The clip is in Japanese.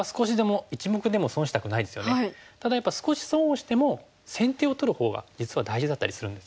ただやっぱり少し損をしても先手を取るほうが実は大事だったりするんですよね。